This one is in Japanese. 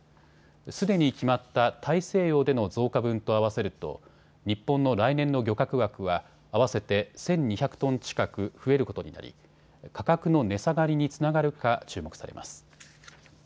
すでに決まった大西洋での増加分と合わせると日本の来年の漁獲枠は合わせて１２００トン近く増えることになり価格の値下がりにつながるか注目されます。